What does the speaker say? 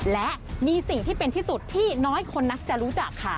และมีสิ่งที่เป็นที่สุดที่น้อยคนนักจะรู้จักค่ะ